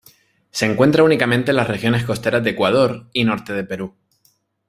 Se encuentra únicamente en las regiones costeras de Ecuador y norte de Perú.